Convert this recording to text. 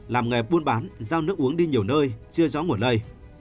làm nghề buôn bán giao nước uống đi nhiều nơi chưa rõ nguồn lây